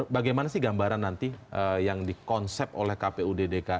bagaimana sih gambaran nanti yang dikonsep oleh kpud dki